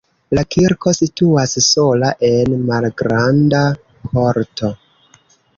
La kirko situas sola en malgranda korto.